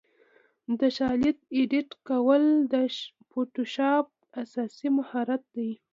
د شالید ایډیټ کول د فوټوشاپ اساسي مهارت دی.